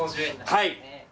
はい。